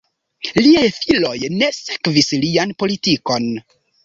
Liaj filoj ne sekvis lian politikon.